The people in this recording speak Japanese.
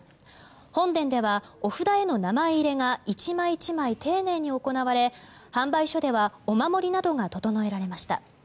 本殿では、お札への名前入れが１枚１枚丁寧に行われ販売所ではお守りなどが整えられました。